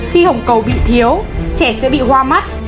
khi hồng cầu bị thiếu trẻ sẽ bị hoa mắt